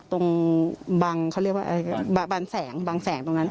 ตรงบังสงตร์